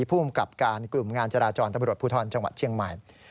ภูมิกับการกลุ่มงานจราจรตำรวจภูทรจังหวัดเชียงใหม่